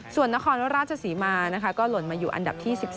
ส่วนนครราชศรีมานะคะก็หล่นมาอยู่อันดับที่๑๒